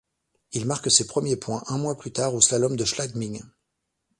Il marque ses premiers points un mois plus tard au slalom de Schladming.